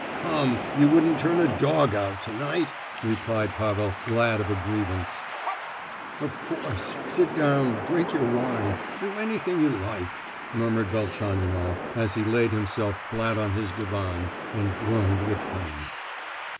"Come, you wouldn't turn a dog out to night!" replied Pavel, glad of a grievance. "Of course, sit down; drink your wine—do anything you like," murmured Velchaninoff, as he laid himself flat on his divan, and groaned with pain.